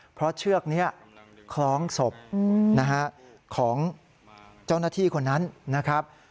เพราะเชือกนี้คล้องศพนะฮะของเจ้าหน้าที่คนนั้นนะครับ